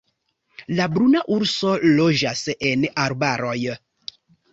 La bruna urso loĝas en arbaroj.